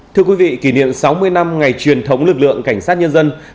thưa quý vị kỷ niệm sáu mươi năm ngày truyền thống lực lượng cảnh sát nhân dân